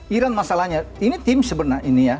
iran masalahnya ini tim sebenarnya ini ya